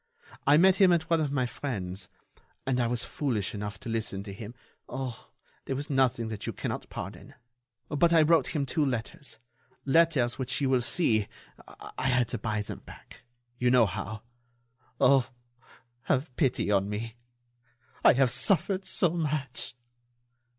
I met him at one of my friends'.... and I was foolish enough to listen to him. Oh! there was nothing that you cannot pardon. But I wrote him two letters ... letters which you will see.... I had to buy them back ... you know how.... Oh! have pity on me?... I have suffered so much!"